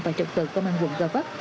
và trực tự công an quận gò vấp